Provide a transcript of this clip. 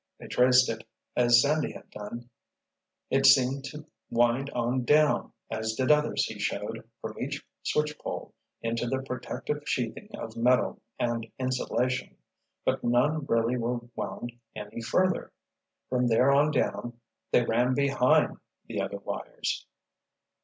They traced it, as Sandy had done. It seemed to wind on down, as did others he showed, from each switch pole, into the protective sheathing of metal and insulation; but none really were wound any further. From there on down, they ran behind the other wires!